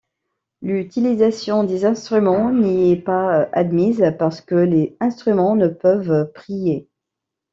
L'utilisation des instruments n'y est pas admise parce que les instruments ne peuvent prier.